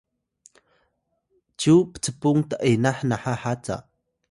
cyu pcpung t’enah naha haca